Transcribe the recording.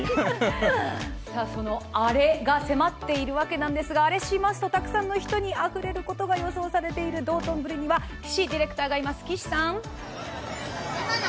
そのアレが迫っているわけなんですが、アレしますと、たくさんの人があふれることが予想されている道頓堀には岸ディレクターがいます。